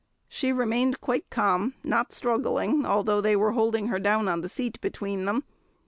She remained quite calm, not struggling, although they were holding her down on the seat between them.